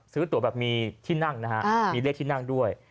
ซื้อตัวแบบมีที่นั่งนะฮะมีเลขที่นั่งด้วย